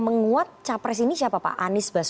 menguat capres ini siapa pak anies baswedan